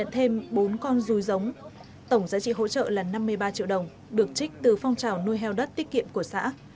tổng giá trị hỗ trợ là năm mươi ba triệu đồng được trích từ phong trào nuôi heo đất tiết kiệm của xã